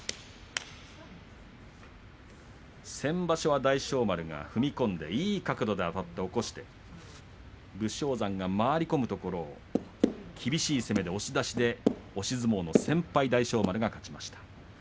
先場所は大翔丸が踏み込んでいい角度であたって起こして武将山が回り込むところを厳しい攻めで押し出しで押し相撲の先輩大翔丸が勝っています。